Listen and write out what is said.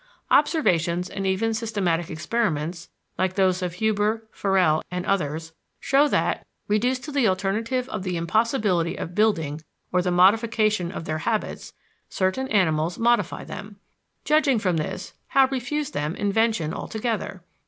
Observations and even systematic experiments (like those of Huber, Forel, et al.) show that, reduced to the alternative of the impossibility of building or the modification of their habits, certain animals modify them. Judging from this, how refuse them invention altogether?